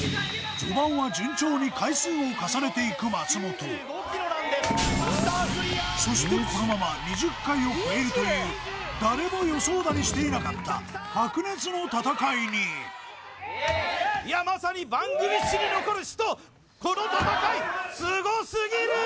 序盤は順調に回数を重ねていく松本そしてこのまま２０回を超えるという誰も予想だにしていなかったいやまさに番組史に残る死闘この戦いすごすぎる！